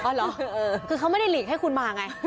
เหรอคือเขาไม่ได้หลีกให้คุณมาไง